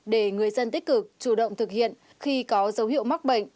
để người dân tích cực chủ động thực hiện khi có dấu hiệu mắc bệnh